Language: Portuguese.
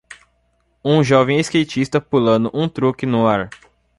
um jovem skatista pulando um truque no ar.